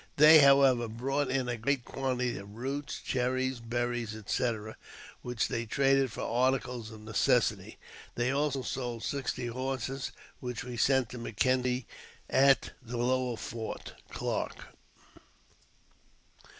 They, however, brought in a great quantity of roots, cherries, berries, &c., which they traded for articles of necessity : they also sold sixty horses, which we sent to M'Kenzie at the lower fort (Clarke).